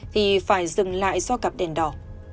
thì phải dừng lại do cặp đèn đỏ